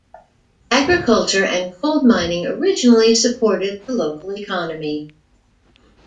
Agriculture and coal mining originally supported the local economy.